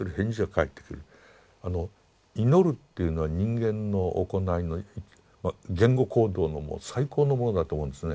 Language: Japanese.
祈るっていうのは人間の行いの言語行動のもう最高のものだと思うんですね。